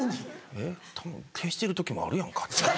えっ消してる時もあるやんか。